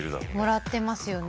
もらってますよね。